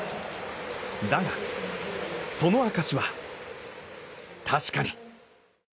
だが、その証は確かに。